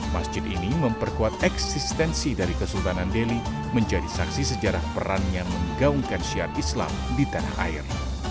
masjid ini memperkuat eksistensi dari kesultanan delhi menjadi saksi sejarah peran yang menggaungkan syiat islam di tanah air